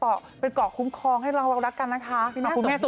แองจีท